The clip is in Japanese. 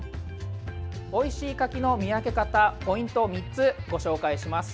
おいしい柿の見分け方ポイントを３つご紹介します。